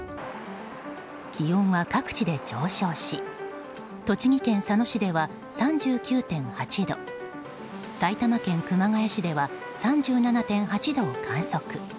気温は各地で上昇し栃木県佐野市では３９．８度埼玉県熊谷市では３７．８度を観測。